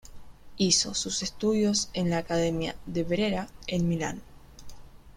Hizo sus estudios en la academia de Brera en Milán.